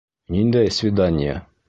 Ниндәй свиданье?